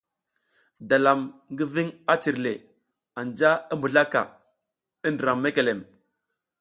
Dalam ngi ving a cirle, anja i mbizlaka i ndram mekelem.